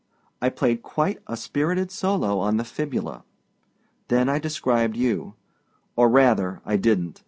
I played quite a spirited solo on the fibula. Then I described you; or, rather, I didnât.